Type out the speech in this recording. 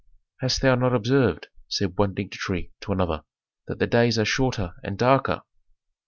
"Hast thou not observed," said one dignitary to another, "that the days are shorter and darker?"